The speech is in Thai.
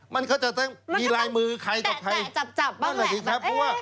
มันก็จะมีลายมือใครกับใครมันแบบเอ๊ะ